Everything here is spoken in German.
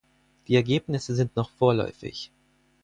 Die Ergebnisse sind noch vorläufig.